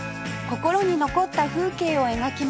心に残った風景を描きます